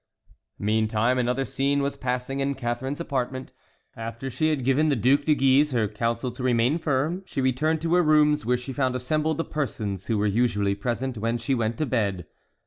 Meantime another scene was passing in Catharine's apartment. After she had given the Duc de Guise her counsel to remain firm, she returned to her rooms, where she found assembled the persons who were usually present when she went to bed.